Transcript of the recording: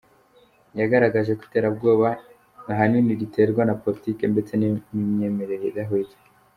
Yagaragaje ko iterabwoba ahanini riterwa na politiki mbi ndetse n’imyemerere idahwitse.